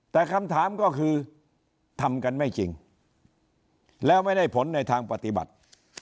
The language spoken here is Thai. แต่คำถามก็คือทำกันไม่จริงแล้วไม่ได้ผลในทางปฏิบัติ